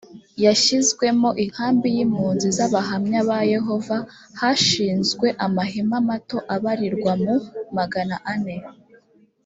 yashyizwemo inkambi y impunzi z Abahamya ba Yehova Hashinzwe amahema mato abarirwa mu magana ane